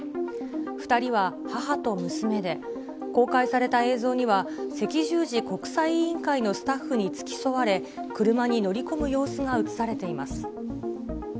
２人は母と娘で、公開された映像には、赤十字国際委員会のスタッフに付き添われ、車に乗り込む様子が写されています。